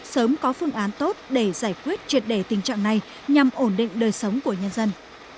sớm có phương án tốt để giải quyết triệt đề tình trạng này nhằm ổn định đời sống của nhân dân